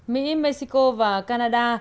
mỹ mexico và canada